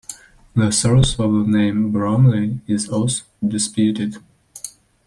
The source of the name Brumley is also disputed.